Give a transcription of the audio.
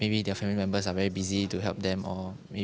mungkin para rakyat keluarga mereka sangat sibuk untuk membantu mereka